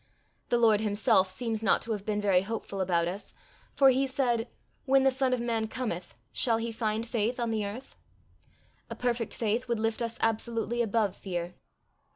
The Lord himself seems not to have been very hopeful about us, for he said, When the Son of man cometh, shall he find faith on the earth? A perfect faith would lift us absolutely above fear.